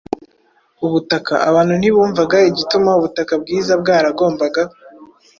Ubutaka: abantu ntibumvaga igituma ubutaka bwiza bwaragombaga